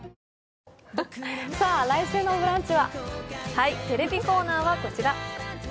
続くテレビコーナーはこちら。